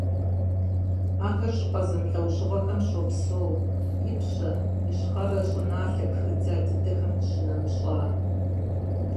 Ахэр щӀыпӀэ зэмылӀэужьыгъуэхэм щопсэу, ипщэ, ищхъэрэ щӀыналъэ пхыдза дыдэхэм къищынэмыщӀа.